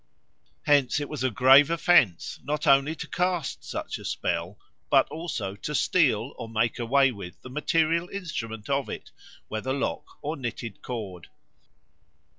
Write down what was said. Hence it was a grave offence, not only to cast such a spell, but also to steal or make away with the material instrument of it, whether lock or knotted cord.